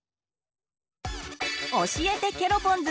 教えてケロポンズ！